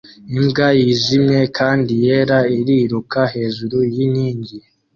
Imbwa yijimye kandi yera iriruka hejuru yinkingi